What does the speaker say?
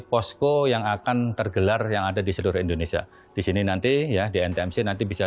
posko yang akan tergelar yang ada di seluruh indonesia disini nanti ya di ntmc nanti bisa